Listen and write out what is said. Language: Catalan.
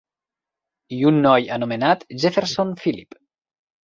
I un noi anomenat Jefferson Phillip.